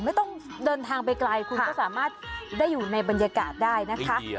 ไม่ต้องเดินทางไปไกลคุณก็สามารถได้อยู่ในบรรยากาศได้นะคะ